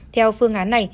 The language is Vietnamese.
theo phương án này